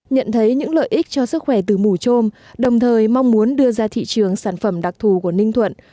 nhận thấy những lợi ích cho sức khỏe từ mù trôm đồng thời mong muốn đưa ra thị trường sản phẩm đặc thù của ninh thuận